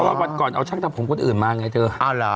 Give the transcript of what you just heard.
เพราะวันก่อนเอาช่างทำผมเขาแบบอื่นมาอีกเอาเหรอ